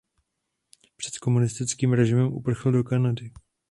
Před komunistickým režimem uprchl do Kanady.